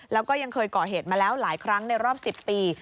แล้วก็ยังเคยเกาะเหตุมาแล้วหลายครั้งในรอบ๑๐ปี